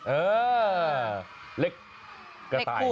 เออเล็กกระไต่